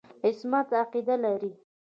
عصمت عقیده لري.